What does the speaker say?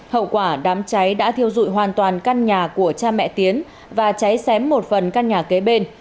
hậu quả đám cháy đã thiêu dụi hoàn toàn căn nhà của cha mẹ tiến và cháy xém một phần căn nhà kế bên